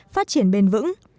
phát triển bền vững